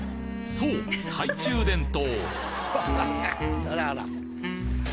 そう懐中電灯！